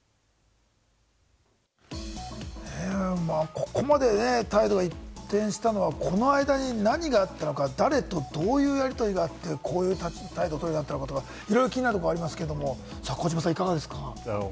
ここまで態度が一転したのは、この間に何があったのか、誰とどういうやり取りがあってこういう態度をとるようになったのか、いろいろ気になるところありますけれども、児嶋さん、いかがですか？